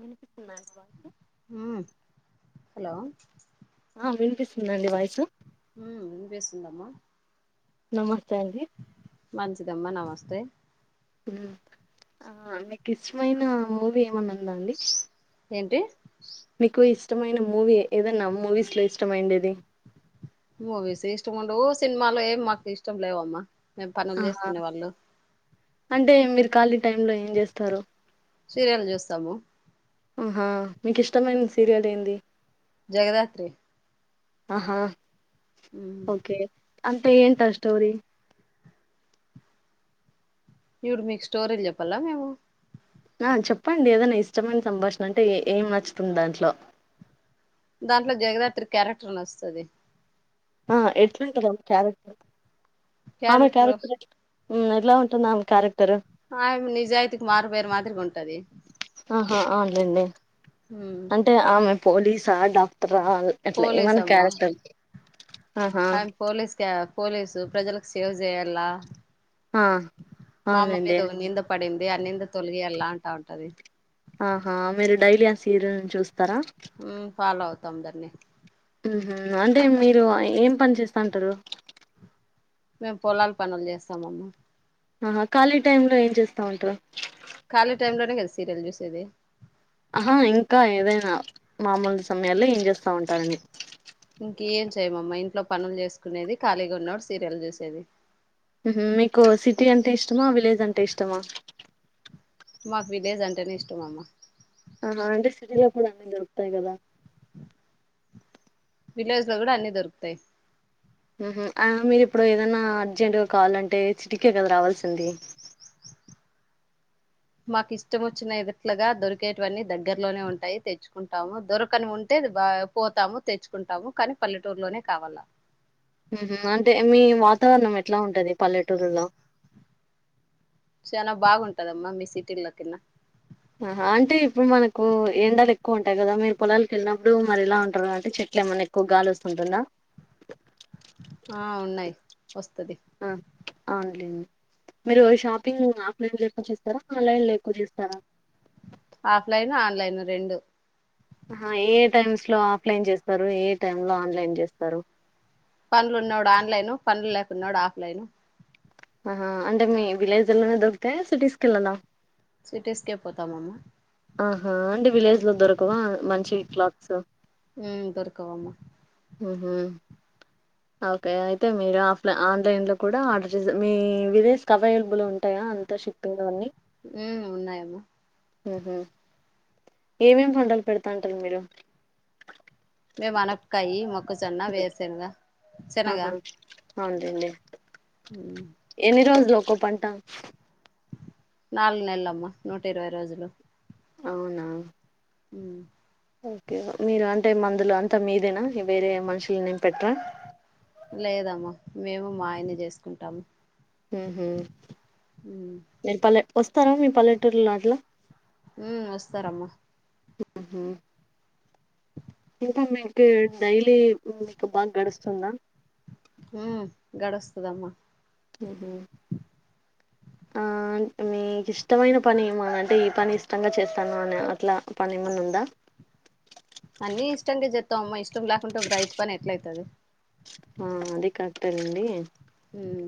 వినిపిన్నా హ్మ్ హలో వినిపి నడి బయ్ సు ఇందమ్మా నమస్త ీ చెమ్మా నమస్తే ఆ నీకు ఇష్టమైన మూవీ ఏమన్నా ఉందా అండి ఏంటి మీకు ఇష్టమైన మూవీ ఏదన్నా మూవీస్ లో ఇష్టమైండేది మూవీస్ ఇష్టం ఉండవు సినిమాలు ఏమి మాకు ఇష్టం లేవమ్మా మేము పనులు ఆహా చేసుకునే వాళ్ళు అంటే మీరు ఖాళీ టైమ్ లో ఏం చేస్తారు సీరియల్ చూస్తాము ఆహా మీకు ఇష్టమైన సీరియల్ ఏంది జగదాత్రి ఆహా ఉమ్ అంత ఏంటా ఆ స్టోరి ఇప్పుడు మీకు స్టోరీలు చెప్పాల్లా మేము ఆ చెప్పండి ఏదైనా ఇష్టమైన సంభాషణ అంటే ఏం నచ్చుతుంది దాంట్లో దాంట్లో జగదాత్రి క్యారెక్టర్ నచ్చుతాది ఆ ఎట్లు ఉంటది ఒక క్యారెక్ట్ ర్ ఆమె క్యారెక్టర్ కరక్ట్ ఉమ్ ఎలా ఉంటుంది ఆమె కారెక్టర్ ఆయమ్ నిజాయితీకి మారు పేరు మాదిరిగ ఉంటది అహా అవునులేండి హ్మ్ అంటే ఆమె పోలీస్ అండ్ డాక్ రావాలి అట్లా పోలీస్ ఏమన్నా అమ్మా క్యారెక్టర్ ఆహా ఆమె పోలీస్ క పోలీసు ప్రజలకు సేవ్ చేయాల్లా ఆ అవునులేండి అది న్నింద తొలిగియ్యాలా అంటా ఉంటది ఆహా మీరు డైలీ ఆ సిరియల్ చూస్ ఉమ్ ఫాల వ తొందరనే ఉమ్ హు అంటే మీరు ఏం పని చేస్తా ఉంటరు మేము పొలాల పనులు చేస్తాం అమ్మ ఆహా ఖాళీ టైమ్ లో ఏం చేస్తా ఉంటారు ఖాళీ టైం లోనే కదా సీరియల్ చూసేది ఆహా ఇంకా ఏదైనా మామూలు సమయాల్లో ఏం చేస్తా ఉంటారని ఇంకేం చేయమమ్మా ఇంట్లో పనులు చేసుకునేది ఖాళీగా ఉన్నపుడు సీరియల్ చూసేది ఉహు మీకు సిటీ అంటే ఇష్టమా విలేజ్ అంటే ఇష్టమా మాకు విలేజ్ అంటేనే ఇష్టం అమ్మా వత్తాయి కదా విలేజ్ లో కూడా అన్ని దొరుకుతాయి ఉహు మీరు ఇప్పుడు ఏదైనా అర్జెంట్ గా కావాలంటే చిటికె కద రావాల్సింది మాకు ఇష్టం వచ్చిన ఎదుట్లుగా దొరికేటివన్నీ దగ్గర్లోనే ఉంటాయి. తెచ్చుకుంటాము. దొరకనివి ఉంటే బా పోతాము తెచ్చుకుంటాము. కానీ పల్లెటూరులోనే కావాల్ల ఉహ్మ్ అంటే మీ వాతావరణం ఎట్లా ఉంటది పల్లెటూర్ల లా? చాలా బాగుంటదమ్మా మీ సిటీ లకన్నా ఆహా అంటే ఇప్పుడు మనకు ఎండలు ఎక్కువ ఉంటాయి కదా మీరు పొలాల కి వెళ్ళినప్పుడు మరి ఇలా ఉంటారు కాబ్బటి చెట్లు ఏమన్నా ఎక్కువ గాలి వస్తుంటుందా? ఆ ఉన్నాయ్ ఆ అవునులేం మీరు షాపింగ్ ఓఫ్ఫ్లిన్ లో ఎక్కువ చేస్తారా ఆన్లైన్ లో ఎక్కువ చేస్తారా? ఓఫ్ఫ్లిను ఆన్లైను రెండు ఆహా ఏ ఏ టైమ్స్ లో ఆఫ్ లైన్ చేస్తారు ఏ ఏ టైమ్ లో ఆన్లైన్ చేస్తారు? పనులు ఉనోడు ఆన్లైను పనులు లేనోడు ఆఫ్లైను ఆహా అంటే మీ విలేజ్లోనే దొరుకుతాయా సిటీస్ కి కెళ్లలా? సిటీస్ కె పోతామమ్మ ఆహా అంటే విలేజ్ లో దొరకవా? మంచి క్లాత్స్ ఉమ్ దొరకవమ్మా ఉ హ్మ ఓకే అయితే మీరు ఆఫ్లై ఆన్లైన్ లో కూడా ఆర్డర్ చేస మీ విలేజ్ కి అవైలబుల్ ఉంటాయా అంతా షిప్పింగ్ వన్నీ? ఉ ఉన్నాయమ్మ ఉహు ఏమేం పంటలు పెడతాన్ టారు మీరు మేమ్ అనపకాయి మొ క జొన్న వేరుశెనగ ఆహా అవును లెండి మ్మ్ ఒక పంటా నాలుగు నెలలు అమ్మా నూట ఇరవై రోజులు అవునా? ఉ ఓకే మీరు అంటే మందులు అంతా మీదేనా వేరే మనుషుల నేం పెట్టారా? లేదమ్మా మేము మా ఆయనే చేసుకుంటాము ఊహుమ్ ఉమ్ వస్తారా మీ పల్లెటూరుల లో అట్లా మ్మ్ వస్తారమ్మా ఉహు ఇ మీకు డైలీ మీకు బాగా గడుస్తుందా? హమ్మ్ గడుస్తుదమ్మా మ్మ్హు ఆ మీకు ఇష్టమైన పని అంటే ఈ పని ఇష్టంగా చేస్తాను అని అట్లా పని ఏమన్నా ఉందా అన్ని ఇష్టంగానే చెస్తాం అమ్మా ఇష్టం లేకుంటే బ రైతు పని ఎట్ల అయితది ఆ అది కరెక్ట్ ఎ లెండి హ్మ్మ్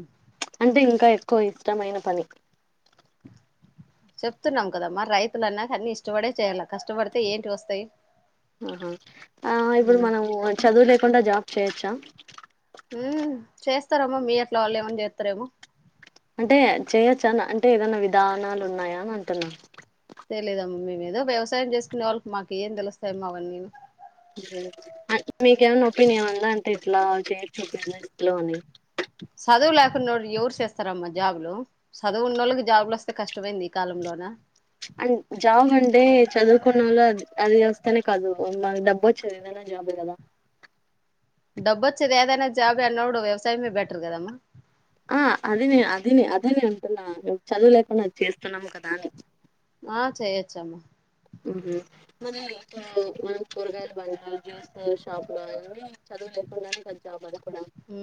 అంటే ఇంకా ఎక్కువ ఇష్టమైన పని చెప్తున్నాం కదా మరి రైతులన్నా అన్ని ఇష్టపడే చేయాల కష్టపడితే ఏంటి వస్తాయి ఆహా ఆ ఇప్పుడు ఉమ్ మనం చదువు లేకుండా జాబ్ చేయొచ్చా? మ్మ్ చేస్తారేమో మీ ఎట్లా వాళ్ళు ఏమైనా చేస్తారేమో చా అంటే ఏదైనా విధానాలు ఉన్నాయా అని అంటున్నా తెలిదమ్మ మేమ ఏదో వ్యవసాయం చేసుకునే వాళ్ళకి మాకు ఏం తెలుస్తాయ అమ్మా అవన్నీ మీకేమన్నా ఒపీనియన్ ఉందా అంటే ఇట్లా చేయ చూపిించందిలో అని సదువులేకుోడి ఎవరు చేస్తారమ్మా జాబ్ లు చదువు ఉన్న వాళ్ళకి జాబ్ులు వస్తే కష్టమైంది ఈ కాలంలోన అం జాబ్ అంటే చదువుకున్న వాళ్ు అది వస్తేనే కాదు మాకు డబ్బు వ చదిదనా జాబ్ కదా డబ్బు వచ్చది అదనా జాబ్ నోడు వ్యవసామ బెటర్ కదమ్మా ఆ అదినే అదినే అదేనే అంటున్నా మే చదువు లేకుండా అది చేస్తున్నాం కదా అని ఆ చేయొచ్చ అమ్మ మన ఇప్పు మనం కూరగాయలు బంలు జ్యూస్ షాప్ లో అ చదువు లేకుండానికిాని ఉ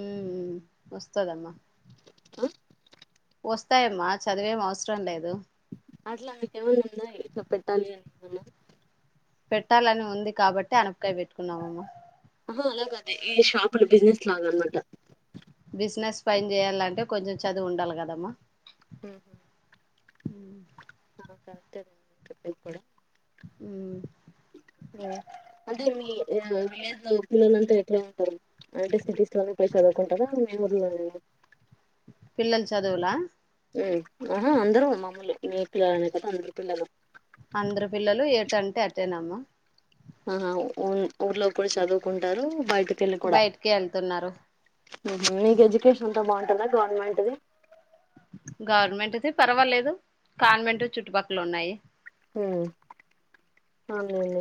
వస్తదమ్మా ఆ వస్తాయమ్మా చదివేం అవసరం లేదు అట్లా ఆమెక ఏమైన్నా ఉన్నా ఇలా పెట్టాలి అని మన పెట్టాలని ఉంది కాబట్టి అనపకాయ పెట్టుకున్నామమ్మ హ అలాగ అదే ఈ ాప్ లో బిజినెస్ లాగా అనమాట బిజినెస్ పైన చేయాలంటే కొంచెం చదువు ఉండాలి కదమ్మా హ హ కరెక్టేదండిే చెప్పింది కూడా ఉ అంటే మీ వ పిల్లలంతా ఎట్లా ఉంటారు అంటే సిటీస్ లో పై చదువుకుంటారా మీ ఊర్లో పిల్లలు చదువులా ఆహ అర మమ్మల్లు మీ పిల్లలనే కదా అందరు పిల్లలు అందరు పిల్లలు ఏటంటే అటేనమ్మా ఆహాఊ ఊర్లో కూడా చదువుకుంటారు బయట బయటికి వెళ్తున్నారు మీకు ఎడ్యుకేషన్ అంతా బాగుంటందా గవర్నమెంట్దిి గవర్నమెంట్ అది పర్వాలేదు కాన్వెంట్ చుట్టుపక్కల ఉన్నాయి అను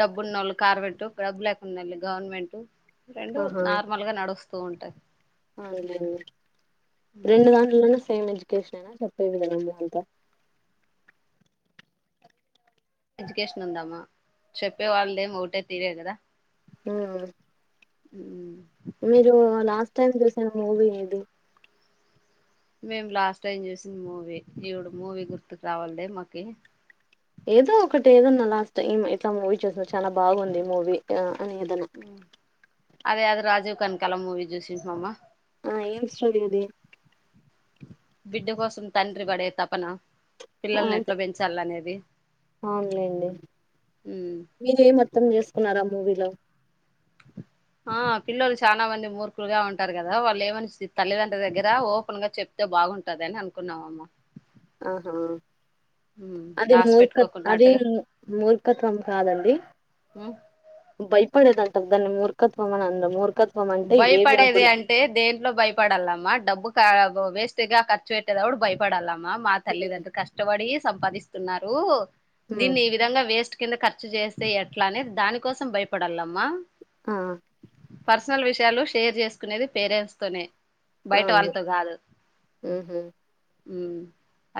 డబ్బు ఉన్న వాళ్ళు కార్పెట్ డబ్బు లేకు ఉండళ్ి గవర్నమెంట్ రెండు నార్మల్ గా నడుస్తుంది తూంటే అ రెం దాడు సేమ్ ఎజ్యుకేషన్నా చెప్పే విదమ్మా అంత ఎడ్యుకేషన్ ఉందామా చెప్పే వాళ్ళద ఏమ ఒకటే తీరే కదా ఉ ఉ ఎత్తం దసా మూవీది మేం లాస్ట్ టైం చూసింది మూవీ ఈవిడు మూవీ గుర్తుకు రావాలదే మాకి ఏదో ఒకటి ఏదన్నా లాస్ట్ టైం ఇట్లా మూవీ చూస్తున్నా చాలా బాగుంది మూవీ అని ఏదన్నా అదే అదు రాజీవ్ కనుక కల మూవీ చూసించమామ్మా ఆ ఏం స్ోగదది బిడ్డ కోసం తండ్రి పడే తప్పనా అంటే అవునండి ఉమ్ మీరు ఏ మొత్తం చేసుకున్నారామ్ మూవీలో ఆ పిల్లలు చాలా మంది మూర్ఖులుగా ఉంటారు కదా వాళ్ళు ఏమని తల్లిదండ్ర్రి దగ్గర ఓపెన్ గా చెప్తే బాగుంటదిని అనుకున్నామమ్మ ఆహా అది దాసి మూర్ఖ అది పెట్టుకోకున్నట్టుగా మూర్ఖత్వం కాదండి ఉమ్, బై పే అంట దని మూఖత్వా మన అంద మూ భయపడేది అంటే దేంట్లో భయపడాలమ్మా డబ్బు వేస్ట్గార్ చటదాో కూడా భయపడాల అమ్ మా హ్మ్. తల్లిదంత కష్టపడి సంపాదిస్తున్నారు హ్మ్. దీన్ని ఈ విధంగా వేస్ట్ కింద ఖర్చు చేస్తే ఎట్లా అనే దాని కోసం భయపడాలమ్మా ఆ పర్ పర్సనల్ విషయాలు షేర్ చేసుకునేది పేరెంట్స్ తోనే బయట అవును వాళ్ళతో కాదు హుహు. అ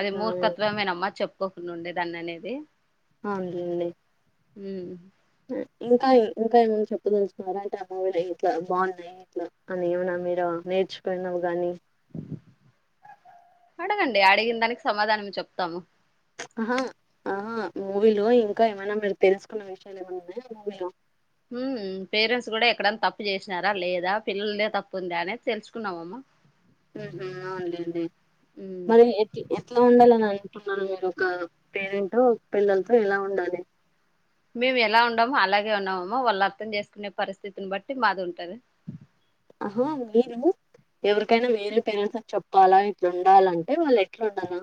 అది అవును మూర్ఖత్వమేనమ్మా చెప్ప ఒకక్కరి ను ఉండే దాన్ని అనేది అండి హ ఇంకా ఇంకా ఏమనా చెప్పదలుచుినారా అంటే ఆ మూవీలు ఇట్లా బాగున్నాయి ఇట్లా అని ఏమనా మీరు నేర్చుకుయినావు ని అడగండి అడిగిన దానికి సమాధానం చెప్తాము ఆహా ఆ మూవీలో ఇంకా ఏమైనా మీరు తెలుసుకున్న విషయాలు ఏమన్నా ఉన్నాయా మూవీలో పేరెంట్స్ కూడా ఎక్కడన్నా తప్పు చేసినారా లేదా పిల్లలదే తప్పు ఉందా అనేది తెలుసుకున్నావమ్మా వుండి ఉమ్ మరి ఎట్ ఎట్లా ఉండాలని అంటున్నారు మీరు ఒక పేరెంట్ పిల్లలతో ఇలా ఉండాలి మేము ఎలా ఉండమో అలాగే ఉన్నామమ్మో వాళ్ళు అర్థం చేసుకునే పరిస్థితిని బట్టి మాది ఉంటది ఆహా మీరు ఎవరికైనా వేరే పేరెంట్స్ అ చెప్పాలా ఇట్లా ఉండాలంటే వాళ్ళు ఎట్లా ఉండనా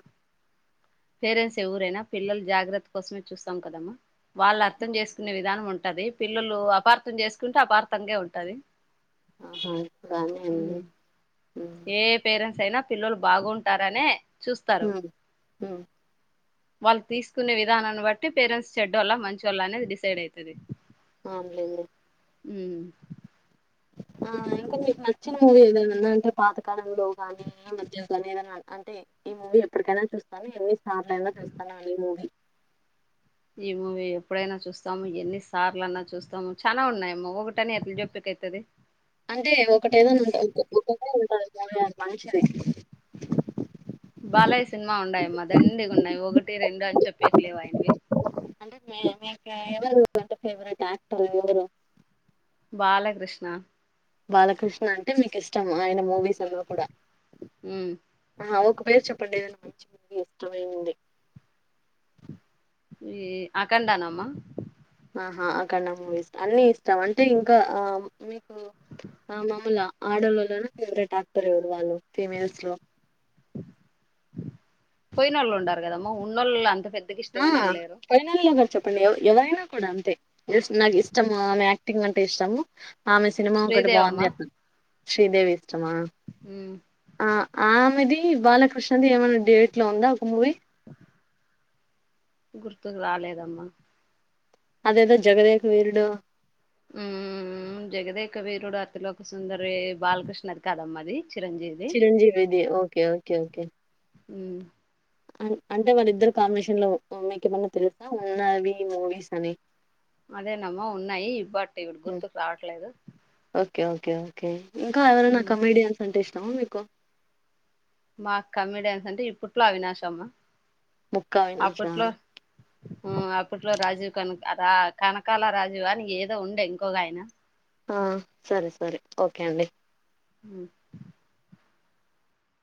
పేరెంట్స్ ఎవరైనా పిల్లలు జాగ్రత్త కోసమే చూస్తాం కదమ్మా వాళ్ళు అర్థం చేసుకునే విధానం ఉంటది పిల్లలు అపార్థం చేసుకుంటే అపార్థంగాే ఉంటది ఆహాగానే అండి ఉమ్ ఏ పేరెంట్స్ అయినా పిల్లలు బాగుంటారనే చూస్తారు హ వాళ్ళు తీసుకునే విధానాన్ని బట్టి పేరెంట్స్ చెడ్డ వాళ్ళ మంచి వాళ్ళ అనేది డిసైడ్ అవుతుది ఆలేండి ఉ ఆ ఇంకా మీకు నచ్చిన మూవీ ఏదనాన్నా అంటే పాతకాలంలో ని మధ్య నీ ఏదన్నా అంటే ఈ మూవీ ఎప్పటికైనా చూస్తాను ఎన్ని సార్లయినా చూస్తాను ఈ మూవీ ఈ మూవీ ఎప్పుడైనా చూస్తాము ఎన్ని సార్లున్నా చూస్తాము చాలా ఉన్నాయమ్మో ఒకటని ఎట్లా జొప్పికైతది అంటే ఒకటేదైనా ఉంటా ఒకటే ఉంటంది మంచిది బాలా సినిమా ఉండయమ్మ దండిగున్నాయి ఒగిటి రెండు అని చెప్పేట్లేవు ఆయనవి అ మ ఫేవరేట్ ఆక్టర్ ఎవరు బాలకృష్ణ బాలకృష్ణ అంటే మీకు ఇష్టం ఆయన మూస్ ఉమ్ లో కూడా ఉమ్ పేరు చెప్పండి ఏదైనా మంచి మూవీ ఇష్టమైంది ఏ అకండానమ్మా ఆహా అకండా మూవీస్ అన్ని ఇస్తాం అంటే ఇంకా మీకు మమూల ఆడోళ్ళలోనే ఫేవరెట్ యాక్టర్ ఎవరు వాళ్ళు ఫీమేల్స్ లో పోయ నళ్ ఉండారు కదమ్మా ఉన్నోళ్ల్ అంత పెద్దగా ఆ ఇష్టమైనోళ్ళు లేరు పైనాల ప్పుడు ఎవరైనా కూడా అంతే నాకు ఇష్టమా ఆమె యాక్టింగ్ అంటే ఇష్టము ఆమె సినిమా ఒకటి శ్రీదేవమ్మ బాగుంది అప్పను శ్రీదేవి ఇష్టమా ఉమ్ ఆ ఆ ది బాలకృష్ణది ఏమైనా డేట్ లో ఉందా ఒక మూవీ గుర్తుకు రాలేదమ్మా అదేదా జగదేక్ వేరుడం ఉ జగదేక వీరుడు అతిలోక సుందరి బాలకృష్ణది కాదమ్మ అది చిరంజీవిది చిరంజీవిది ఓకే ఓకే ఓకే ఉ అంటే వాల్లిద్దరు కాంబినేషన్ లో మీకు ఏమన్నా తెలుసా ఉన్నవి మూవీస్ అని అదేనమ్మో ఉన్నాయి బట్ ఇప్పుడు హ్మ్. గుర్తుకు రావట్లేదు ఓకే ఓకే ఓకే ఇంకా ఎవరనా నా ఉమ్ కమమిడియన్స్ అంటే ఇష్టం చ మీకు మా కమెడియన్స్ అంటే ఇప్పట్లో అవినాశమ్మా ముక్కా వినాశ అప్పట్లో అప్పట్లో రాజీవ్ కన అద కనకాల రాజు అని ఏదో ఉండే ఇంకోగా ఆయన ఆ సరే సర ఓకే అండి అ